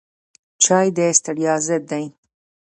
چای د ستړیا ضد دی